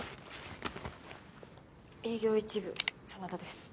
営業一部真田です。